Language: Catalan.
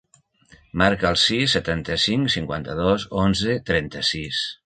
Marca el sis, setanta-cinc, cinquanta-dos, onze, trenta-sis.